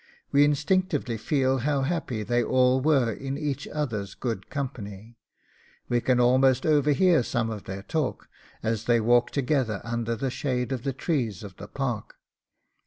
We instinctively feel how happy they all were in each other's good company. We can almost overhear some of their talk, as they walk together under the shade of the trees of the park.